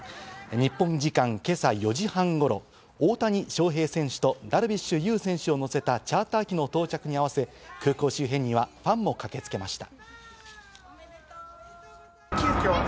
日本時間の今朝４時半頃、大谷翔平選手とダルビッシュ有選手を乗せたチャーター機の到着に合わせ、空港周辺にはファンも駆けつけました。